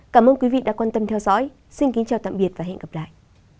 cảm ơn quý vị đã quan tâm theo dõi xin kính chào tạm biệt và hẹn gặp lại